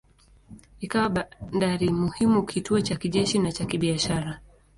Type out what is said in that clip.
Ikawa bandari muhimu, kituo cha kijeshi na cha kibiashara.